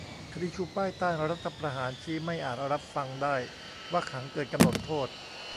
คดีชูป้ายต้านรัฐประหารชี้ไม่อาจรับฟังได้ว่าขังเกินกำหนดโทษ